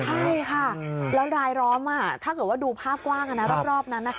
ใช่ค่ะแล้วรายล้อมถ้าเกิดว่าดูภาพกว้างรอบนั้น